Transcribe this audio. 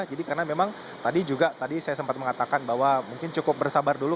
jadi karena memang tadi juga tadi saya sempat mengatakan bahwa mungkin cukup bersabar dulu